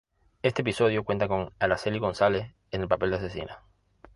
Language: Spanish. Este episodio cuenta con Araceli González, en el papel de asesina.